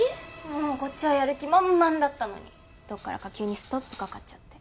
もうこっちはやる気満々だったのにどっからか急にストップかかっちゃって。